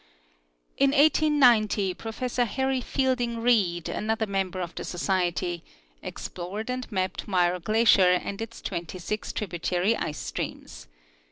In 1890 Professor Harry Fielding Reid, another member of the Society, explored and mapped Muir glacier and its twenty six tributary ice streams.